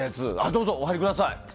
どうぞ、お入りください。